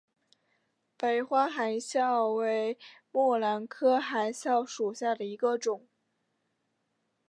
白花含笑为木兰科含笑属下的一个种。